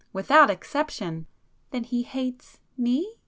"Without exception!" "Then he hates me?"